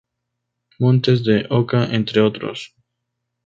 Montes de Oca, entre otros.